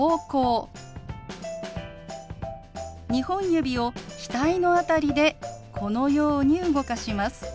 ２本指を額の辺りでこのように動かします。